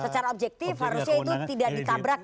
secara objektif harusnya itu tidak ditabrak